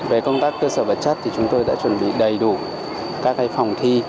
về công tác cơ sở vật chất thì chúng tôi đã chuẩn bị đầy đủ các phòng thi